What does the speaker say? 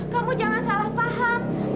kamu jangan salah paham